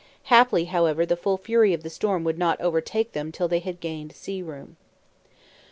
Haply, however, the full fury of the storm would not overtake them till they had gained sea room.